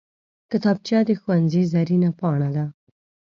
کتابچه د ښوونځي زرینه پاڼه ده